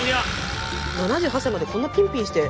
７８歳までこんなピンピンして。